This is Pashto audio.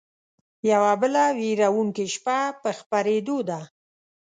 يوه بله وېرونکې شپه په خپرېدو ده